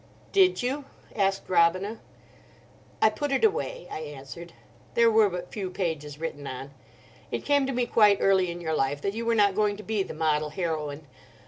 '" "Did you?" asked Robina. "I put it away," I answered; "there were but a few pages written on. It came to me quite early in your life that you were not going to be the model heroine.